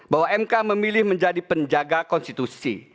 bahwa mk memilih menjadi penjaga konstitusi